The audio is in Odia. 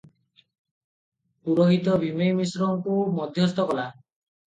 ପୂରୋହିତ ଭୀମେଇ ମିଶ୍ରଙ୍କୁ ମଧ୍ୟସ୍ଥ କଲା ।